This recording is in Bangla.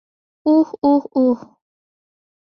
উহ, উহ, উহ।